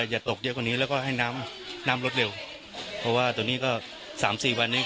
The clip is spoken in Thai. อย่าตกเยอะกว่านี้แล้วก็ให้น้ำน้ำลดเร็วเพราะว่าตรงนี้ก็สามสี่วันนี้